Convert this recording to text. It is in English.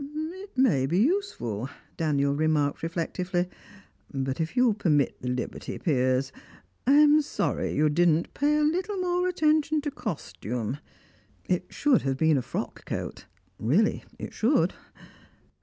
"It may be useful," Daniel remarked reflectively. "But if you'll permit the liberty, Piers, I am sorry you didn't pay a little more attention to costume. It should have been a frock coat really it should."